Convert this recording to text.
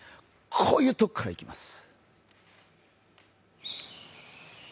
こういうとこからいきます。